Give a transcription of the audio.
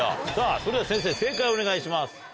それでは先生正解をお願いします。